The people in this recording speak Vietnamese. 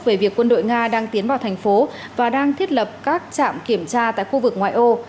về việc quân đội nga đang tiến vào thành phố và đang thiết lập các trạm kiểm tra tại khu vực ngoại ô